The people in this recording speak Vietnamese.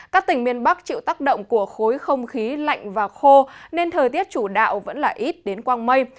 các tỉnh miền bắc chịu tác động của khối không khí lạnh và khô nên thời tiết chủ đạo vẫn là ít đến quang mây